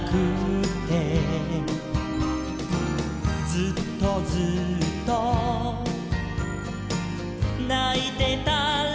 「ずっとずっとないてたらね」